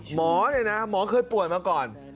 หมอเนี่ยนะหมอเคยป่วยมาก่อน